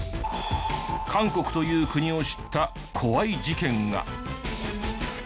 韓国という国を知った怖い事件が。